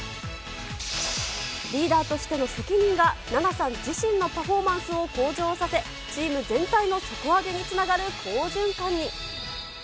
リーダーとしての責任が、ナナさん自身のパフォーマンスを向上させ、チーム全体の底上げにつながる好循環に。